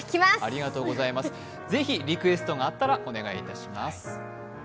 是非、リクエストがあったらお願いします。